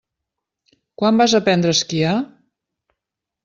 Quan vas aprendre a esquiar?